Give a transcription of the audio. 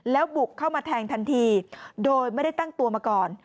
แล้วบุกเข้ามาแทงทันทีโดยไม่ได้ตั้งตัวมาก่อน